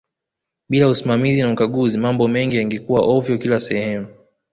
bila usimamizi na ukaguzi mambo mengi yangekuaa ovyo kila sehemu